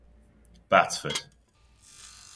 Batsford.